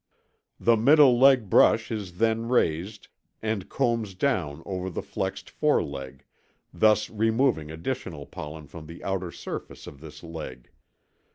The middle leg brush is then raised and combs down over the flexed foreleg, thus removing additional pollen from the outer surface of this leg.